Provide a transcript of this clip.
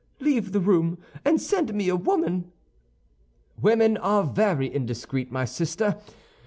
Leave the room, and send me a woman." "Women are very indiscreet, my sister.